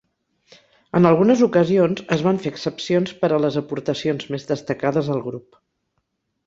En algunes ocasions, es van fer excepcions per a les aportacions més destacades al grup.